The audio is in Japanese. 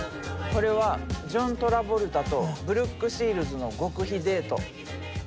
これはジョン・トラボルタとブルック・シールズの極秘デート。